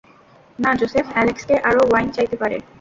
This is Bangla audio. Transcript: না, জোসেফ অ্যালেক্সকে আরও ওয়াইন চাইতে পারে।